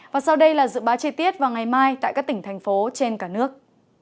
và sau đây là dự báo chi tiết vào ngày mai tại các tỉnh thành phố trên cả nước